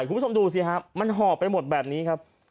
คุณผู้ชมดูสิครับมันห่อไปหมดแบบนี้ครับ